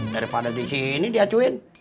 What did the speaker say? daripada di sini diacuin